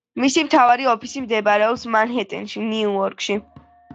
მისი მთავარი ოფისი მდებარეობს მანჰეტენში, ნიუ-იორკში.